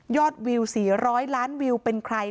ยอดวิวสี่ร้อยล้านวิวเป็นใคร